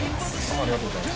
ありがとうございます。